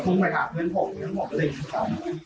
ก็พึ่งไปถามเพื่อนผมแล้วบอกไม่ได้ยินค่ะ